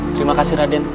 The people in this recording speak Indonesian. terima kasih raden